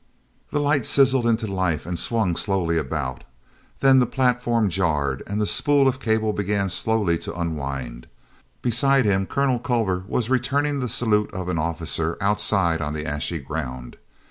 The light sizzled into life and swung slowly about. Then the platform jarred, and the spool of cable began slowly to unwind. Beside him Colonel Culver was returning the salute of an officer outside on the ashy ground.